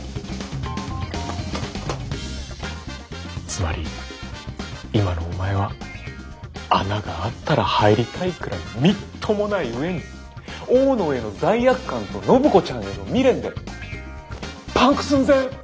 つまり今のお前は穴があったら入りたいくらいみっともない上に大野への罪悪感と暢子ちゃんへの未練でパンク寸前！